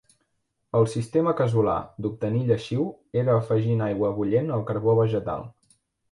El sistema casolà d’obtenir lleixiu era afegint aigua bullent al carbó vegetal.